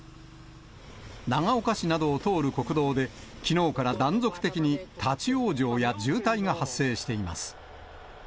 長岡市などを通る国道で、きのうから断続的に立往生や渋滞が発生しています。